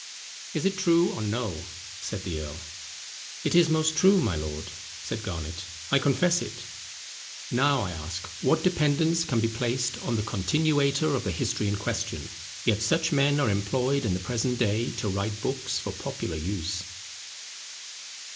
Is it true or no?" said the earl. "It is most true, my lord," said Garnet, "I confess it." Now, I ask, what dependence can be placed on the continuator of the history in question? Yet such men are employed in the present day to write books for popular use.